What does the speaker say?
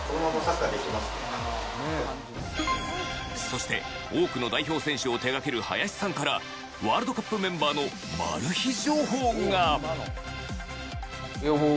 そして多くの代表選手を手がける林さんからワールドカップメンバーのマル秘情報が！